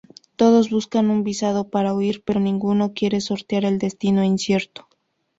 Todos buscan un visado para huir, pero ninguno quiere sortear el destino incierto.